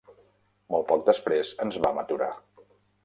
Molt poc després, ens vam aturar.